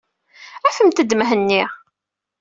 Afemt-d Mhenni.